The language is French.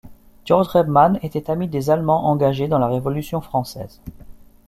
Georg Rebmann était ami des Allemands engagés dans la Révolution française.